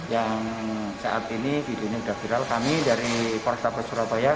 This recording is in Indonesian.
yang saat ini video ini sudah viral kami dari portabas surabaya